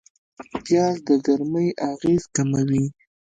پیاز د ګرمۍ اغېز کموي